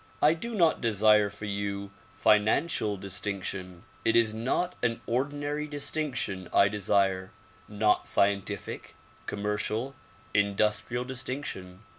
I do not desire for you financial distinction. It is not an ordinary distinction I desire; not scientific, commercial, industrial distinction.